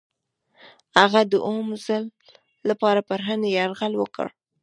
هغه د اووم ځل لپاره پر هند یرغل وکړ.